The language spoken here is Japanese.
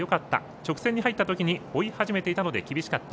直線に入ったときに追い始めていたので厳しかった。